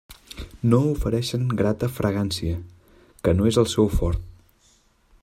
No ofereixen grata fragància, que no és el seu fort.